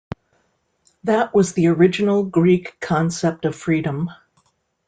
That was the original Greek concept of freedom.